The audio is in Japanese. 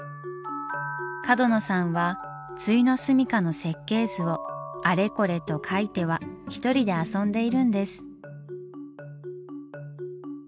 角野さんは終の住みかの設計図をあれこれと描いては一人で遊んでいるんです。